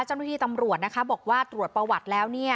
เจ้าหน้าที่ตำรวจนะคะบอกว่าตรวจประวัติแล้ว